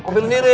kopi lu sendiri